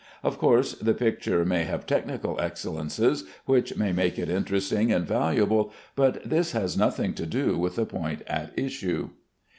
Of course the picture may have technical excellences which may make it interesting and valuable, but this has nothing to do with the point at issue.